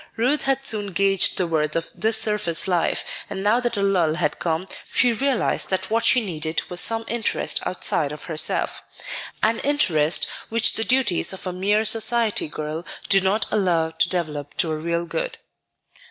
Ruth had soon gauged the worth of this surface life, and now that a lull had come, she realized that what she needed was some interest outside of herself, an interest which the duties of a mere society girl do not allow to develop to a real good.